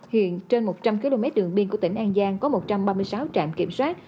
hiện trên một trăm linh km đường biên của tỉnh an giang có một trăm ba mươi sáu trạm kiểm soát